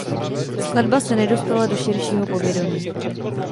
Skladba se nedostala do širšího povědomí.